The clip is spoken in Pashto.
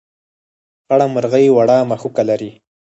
خړه مرغۍ وړه مښوکه لري.